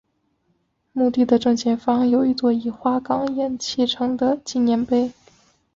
墓地的正前方有一座以花岗岩砌成的纪念碑。